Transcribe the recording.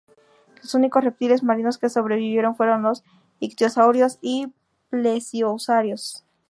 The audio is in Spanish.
Los únicos reptiles marinos que sobrevivieron fueron los ictiosaurios y los plesiosaurios.